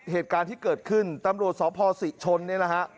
เหตุการณ์ที่เกิดขึ้นตำรวจสพศิชนนี่แหละฮะ